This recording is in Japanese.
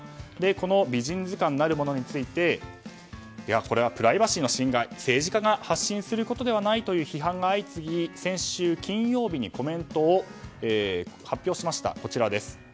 この美人図鑑なるものについてこれはプライバシーの侵害政治家が発信することではないと批判が相次ぎ先週金曜日にコメントを発表しました。